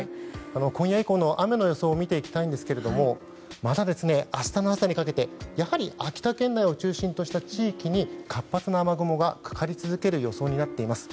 今夜以降の雨の予想を見ていきたいんですがまだ明日の朝にかけてやはり秋田県内を中心とした地域に活発な雨雲がかかり続ける予想になっています。